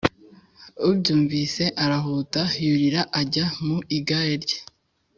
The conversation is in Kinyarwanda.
abyumvise arahuta yurira ajya mu igare rye